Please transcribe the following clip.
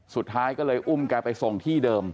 สุดท้ายก็เลยอุ้มแกไปส่งที่เดิม